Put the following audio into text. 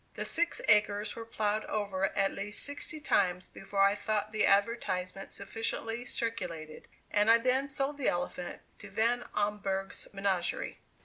The six acres were plowed over at least sixty times before I thought the advertisement sufficiently circulated, and I then sold the elephant to Van Amburgh's Menagerie.